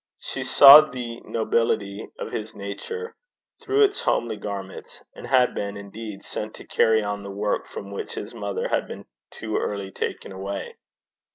She saw the nobility of his nature through its homely garments, and had been, indeed, sent to carry on the work from which his mother had been too early taken away.